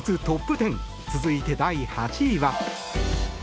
トップ１０続いて、第８位は。